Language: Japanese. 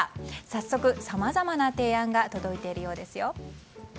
早速、さまざまな提案が届いているようですよ。